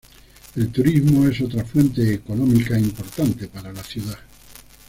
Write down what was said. El turismo es otra fuente económica importante para la ciudad.